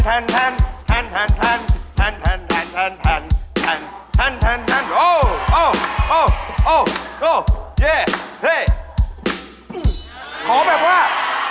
ขอแบบว่า